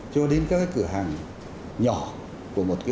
cho đến các cái cửa hàng nhỏ của một cái